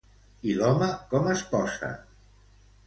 I l'home com es posa?